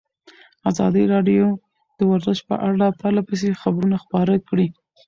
ازادي راډیو د ورزش په اړه پرله پسې خبرونه خپاره کړي.